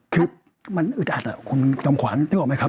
คือมันอึดอัดคุณจำขวัญนึกออกไหมครับ